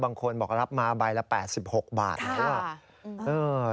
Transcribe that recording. บางคนบอกรับมาใบละ๘๖บาทแล้ว